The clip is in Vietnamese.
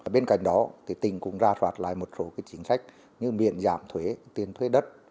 bên cạnh đó tỉnh cũng ra soát lại một số chính sách như miễn giảm thuế tiền thuế đất